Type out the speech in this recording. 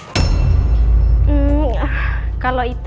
soalnya mas al juga gak pernah cerita